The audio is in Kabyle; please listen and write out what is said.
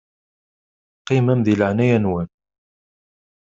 Qqimem di leɛnaya-nwen.